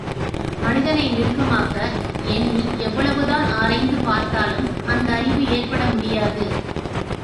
மனிதனை மிருகமாக எண்ணி எவ்வளவு தான் ஆரய்ந்து பார்த்தாலும், அந்த அறிவு ஏற்பட முடியாது.